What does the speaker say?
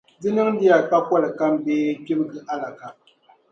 Di niŋdiya pakoli kam bee kpibiga alaka.